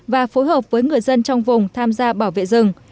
và phối hợp với người dân trong vùng tham gia bảo vệ rừng